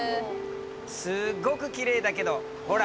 すっごくきれいだけどほら。